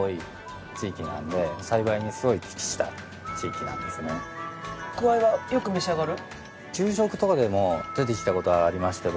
池で作るんですけどくわいはよく召し上がる？